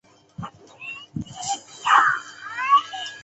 该区早期支持北爱尔兰统一党。